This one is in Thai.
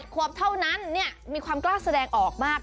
ขวบเท่านั้นมีความกล้าแสดงออกมาก